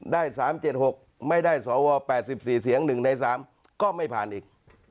ได้๓๗๖ไม่ได้สว๘๔เสียง๑ใน๓ก็ไม่ผ่านอีก